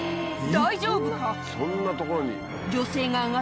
大丈夫か？